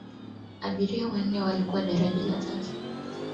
abiria wanane walikuwa daraja la tatu